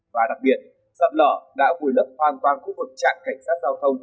và đặc biệt sạt lở đã bùi lấp hoàn toàn khu vực trạng cảnh sát giao thông